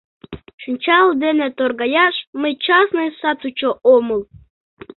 — Шинчал дене торгаяш мый частный сатучо омыл.